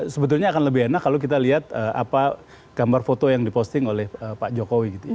sebetulnya akan lebih enak kalau kita lihat apa gambar foto yang diposting oleh pak jokowi gitu ya